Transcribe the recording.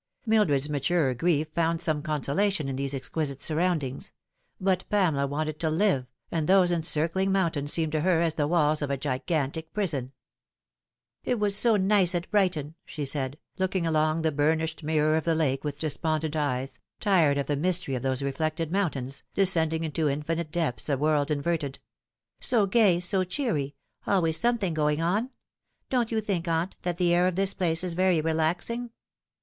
Mildred's maturer grief found some con solation in these exquisite surroundings ; but Pamela wanted to live, and those encircling mountains seemed to her as the walls of a gigantic prison. The Time has Come. 207 " It was so nice at Brighton," she said, looking along the burnished mirror of the lake with despondent eyes, tired of the mystery of those reflected mountains, descending into infinite depths, a world inverted :" so gay, so cheery always some thing going on. Don't you think, aunt, that the air of this place is very relaxing